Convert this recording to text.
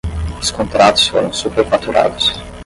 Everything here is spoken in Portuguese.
Os contratos foram superfaturados